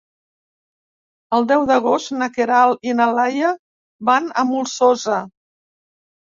El deu d'agost na Queralt i na Laia van a la Molsosa.